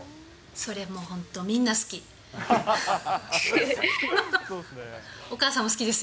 それもう本当みんな好き。